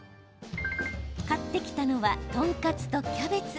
買ってきたのはトンカツとキャベツ。